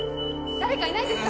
誰かいないんですか？